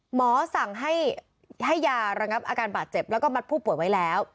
หมอสั่งให้ยาระแล้วก็มัดผู้ปวดไว้แล้ว